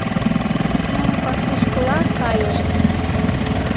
Нуно пасушкыла кайышт.